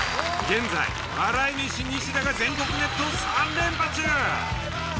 現在笑い飯西田が全国ネット３連覇中。